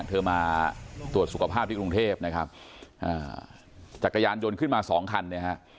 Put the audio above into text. เธอมาตรวจสุขภาพที่กรุงเทพนะครับอ่าจักรยานยนต์ขึ้นมาสองคันเนี่ยฮะ